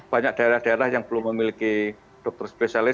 banyak daerah daerah yang belum memiliki dokter spesialis